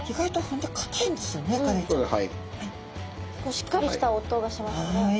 しっかりした音がしますね。